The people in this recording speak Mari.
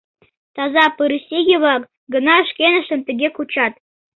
Таза пырысиге-влак гына шкеныштым тыге кучат.